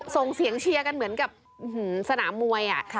ส่งเสียงเชียร์กันเหมือนกับสนามมวย